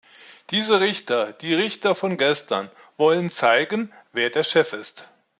Diese Richter, die Richter von gestern, wollten zeigen, wer der Chef ist.